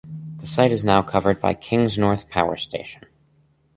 The site is now covered by Kingsnorth Power Station.